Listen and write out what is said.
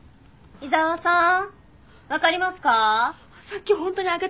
伊沢さーん。